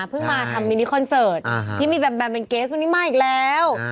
เพิ่งมาทำมินิคอนเสิร์ตที่มีแบมแมมเป็นเกสวันนี้มาอีกแล้ว